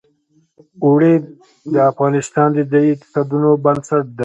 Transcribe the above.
اوړي د افغانستان د ځایي اقتصادونو بنسټ دی.